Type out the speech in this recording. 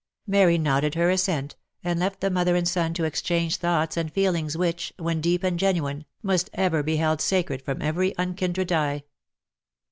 Mary nodded her assent, and left the mother and son to exchange thoughts and feelings, which, when deep and genuine, must ever be held sacred from every unkindred eye.